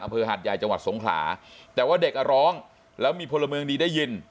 อำเภอหาดใหญ่จังหวัดสงขลาแต่ว่าเด็กอ่ะร้องแล้วมีพลเมืองดีได้ยิน